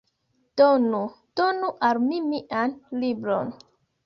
Donu! Donu al mi mian libron!